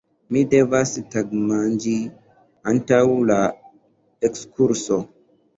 Mi devas tagmanĝi antaŭ la ekskurso!